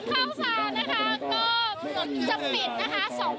เช่นคอยนะคะที่ถนนเข้าสานนะคะ